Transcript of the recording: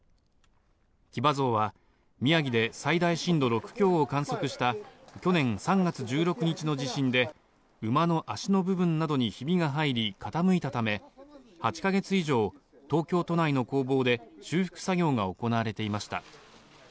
騎馬像は宮城で最大震度６強を観測した去年３月１６日の地震で馬の足の部分などにひびが入り傾いたため８か月以上、東京都内の工房で修復作業が行われていました。